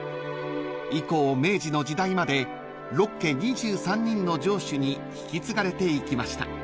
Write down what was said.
［以降明治の時代まで６家２３人の城主に引き継がれていきました］